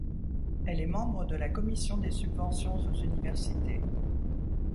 Elle est membre de la Commission des subventions aux universités.